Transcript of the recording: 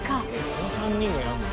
この３人がやるの？